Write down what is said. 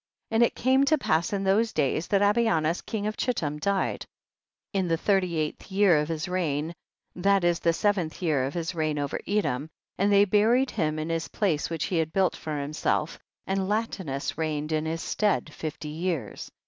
And it came to pass in those days, that Abianus king of Chittim died, in the thirty eighth year of his reign, that is the seventh year of his reign over Edom, and they buried him in his place which he had built for himself, and Latinus reigned in his stead fifty years.